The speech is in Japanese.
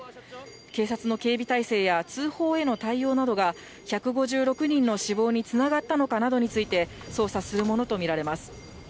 警察の警備態勢や通報への対応などが１５６人の死亡につながったのかなどについて、捜査するものと見られます。